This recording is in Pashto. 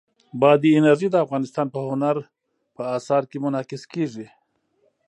بادي انرژي د افغانستان په هنر په اثار کې منعکس کېږي.